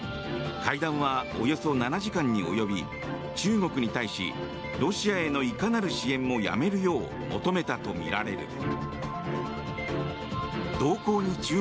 会談はおよそ７時間に及び中国に対しロシアへのいかなる支援もやめるよう求めたとみられる。